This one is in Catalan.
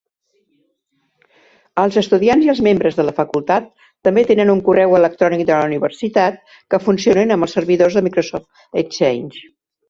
Els estudiants i els membres de la facultat també tenen un correu electrònic de la universitat, que funcionen amb els servidors de Microsoft Exchange.